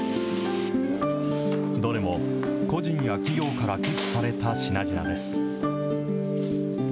どれも個人や企業から寄付された品々です。